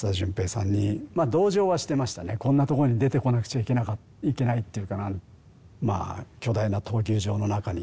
こんなとこに出てこなくちゃいけないっていうかな。